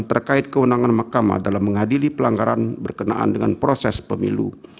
terkait kewenangan mahkamah dalam mengadili pelanggaran berkenaan dengan proses pemilu